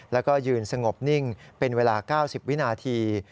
แล้วก็ยืนสงบนิ่งเป็นเวลา๙๐วินาที